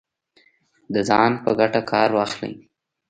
د ځان په ګټه کار واخلي